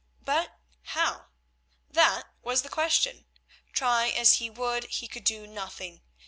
But how? That was the question. Try as he would he could do nothing.